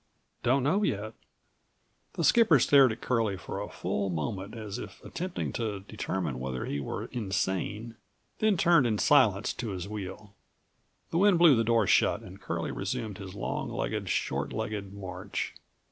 "Don't know yet." The skipper stared at Curlie for a full moment as if attempting to determine whether he were insane, then turned in silence to his wheel. The wind blew the door shut and Curlie resumed his long legged, short legged march.